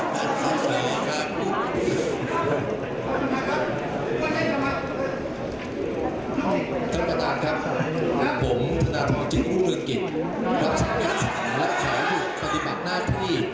ผมธนทรจิตพุทธเมืองกิจรับทรัพยากษัตริย์และขอให้ผู้ปฏิบัติหน้าที่